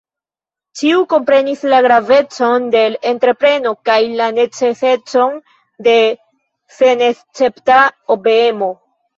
Ĉiu komprenis la gravecon de l' entrepreno kaj la necesecon de senescepta obeemo.